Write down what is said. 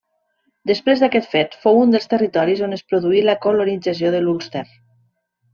Després d'aquest fet fou un dels territoris on es produí la colonització de l'Ulster.